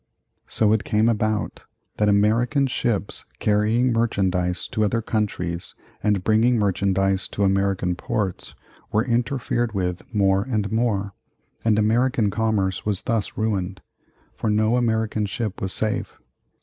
So it came about that American ships carrying merchandise to other countries and bringing merchandise to American ports were interfered with more and more, and American commerce was thus ruined, for no American ship was safe.